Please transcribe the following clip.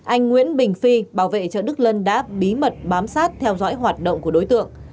anh nguyễn bình phi bảo vệ chợ đức lân đã bí mật bám sát theo dõi hoạt động của đối tượng